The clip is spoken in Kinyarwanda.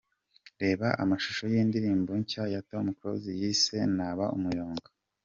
Reba amashusho y’indirimbo nshya ya Tom Close yise ‘Naba Umuyonga’.